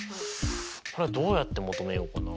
これはどうやって求めようかな。